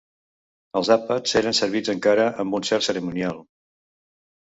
Els àpats eren servits encara amb un cert cerimonial